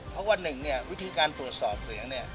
เพราะว่าหนึ่งเนี่ยวิธีการตรวจสอบเสียงเนี่ย